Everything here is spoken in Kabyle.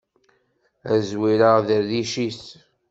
Ad zwireγ di rric-is!